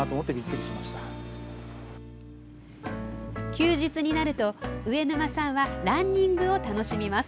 休日になると、上沼さんはランニングを楽しみます。